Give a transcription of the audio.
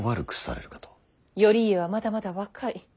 頼家はまだまだ若い。